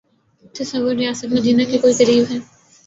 تصور ریاست مدینہ کے کوئی قریب ہے۔